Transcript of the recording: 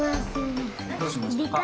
どうしましたか？